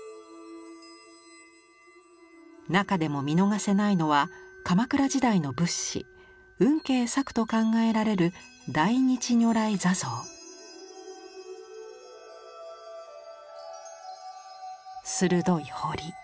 中でも見逃せないのは鎌倉時代の仏師運慶作と考えられる鋭い彫り。